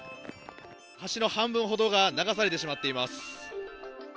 橋の半分ほどが流されてしまっています。